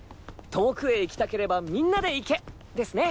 遠くへ行きたければみんなで行けですね。